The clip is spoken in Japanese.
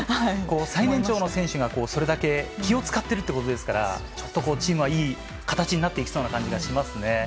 最年長の選手がそれだけ気を使っているということですからちょっとチームはいい形になっていきそうな感じはしますね。